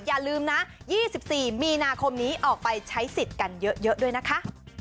อย่าลืมนะ๒๔มีนาคมนี้ออกไปใช้สิทธิ์กันเยอะด้วยนะคะ